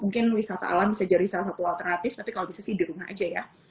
mungkin wisata alam bisa jadi salah satu alternatif tapi kalau bisa sih di rumah aja ya